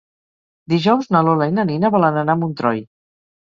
Dijous na Lola i na Nina volen anar a Montroi.